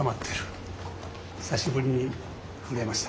久しぶりに震えました。